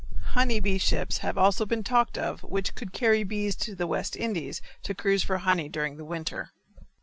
Honey bee ships have also been talked of which could carry bees to the West Indies to cruise for honey during the winter.